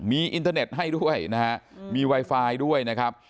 มีอินเทอร์เน็ตให้ด้วยนะฮะมีไวไฟด้วยนะครับ